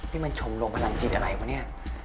นี่มันชมรมพลังจิตอะไรวะเนี่ย